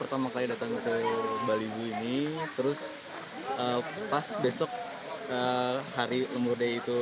kami datang ke bali zoo ini terus pas besok hari lemur day itu